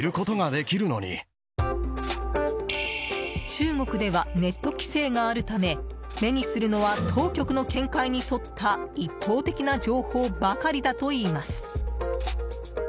中国ではネット規制があるため目にするのは当局の見解に沿った一方的な情報ばかりだといいます。